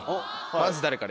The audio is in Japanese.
まず誰から？